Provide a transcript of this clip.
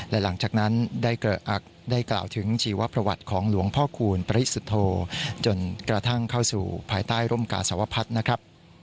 และหลังจากนั้นได้กล่าวถึงชีวประวัติของหลวงพ่อคูณปริสุทธโธจนกระทั่งเข้าสู่ภายใต้ร่มกาสวพัฒน์นะครับ